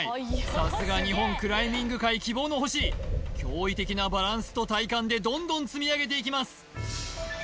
さすが日本クライミング界希望の星驚異的なバランスと体幹でどんどん積み上げていきます